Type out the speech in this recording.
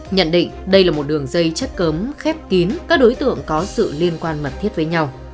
nhận định đây là một đường dây chất cơm khép kín các đối tượng có sự liên quan mật thiết với nhau